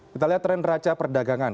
kita lihat tren raca perdagangan